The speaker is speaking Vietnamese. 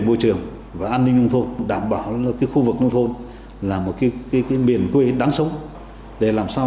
môi trường và an ninh nông thôn đảm bảo khu vực nông thôn là một miền quê đáng sống để làm sao